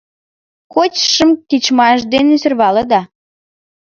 Коть шым тичмаш дене сӧрвалыда!